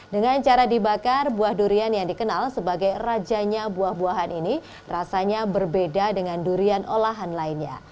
dengan cara dibakar buah durian yang dikenal sebagai rajanya buah buahan ini rasanya berbeda dengan durian olahan lainnya